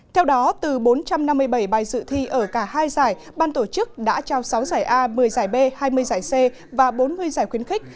theo đó từ bốn trăm năm mươi bảy bài dự thi ở cả hai giải ban tổ chức đã trao sáu giải a một mươi giải b hai mươi giải c và bốn mươi giải khuyến khích